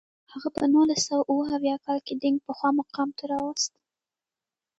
هغه په نولس سوه اووه اویا کال کې دینګ پخوا مقام ته راوست.